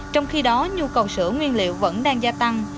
trong khi đó nhu cầu sữa nguyên liệu vẫn đang gia tăng